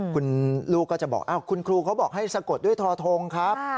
คุณลูกก็จะบอกคุณครูเขาบอกให้สะกดด้วยทอทงครับ